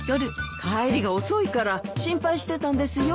帰りが遅いから心配してたんですよ。